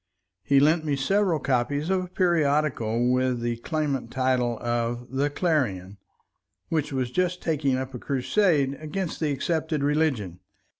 He lent me several copies of a periodical with the clamant title of The Clarion, which was just taking up a crusade against the accepted religion.